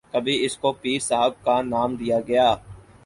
کبھی اسکو پیر صاحب کا نام دیا گیا